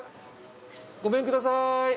ごめんください。